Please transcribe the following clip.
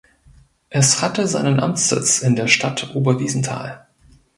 Es hatte seinen Amtssitz in der Stadt Oberwiesenthal.